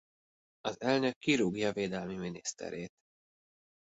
Az elnök kirúgja védelmi miniszterét.